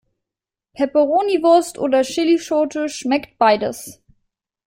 Peperoniwurst oder Chillischote schmeckt beides.